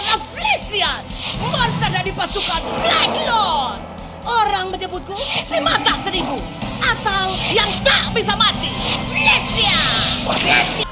orang menyebutku mata seribu atau yang tak bisa mati